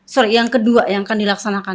sorry yang kedua yang akan dilaksanakan